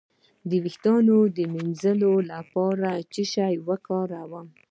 د ویښتو د مینځلو لپاره باید څه شی وکاروم؟